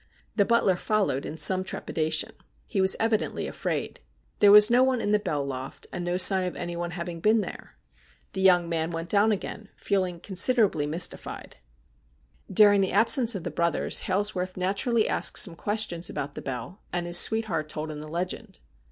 The butler followed in some trepidation. He was evidently afraid. There was no one in the bell loft, and no sign of anyone having been there. The young man went down again, feeling considerably mystified. THE BELL OF DOOM 255 During the absence of the brothers, Hailsworth naturally asked some questions about the bell, and his sweetheart told him the legend.